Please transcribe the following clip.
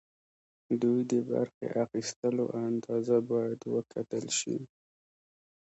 دوی د برخې اخیستلو اندازه باید وکتل شي.